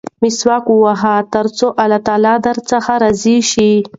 مسواک ووهئ ترڅو الله تعالی درڅخه راضي شي.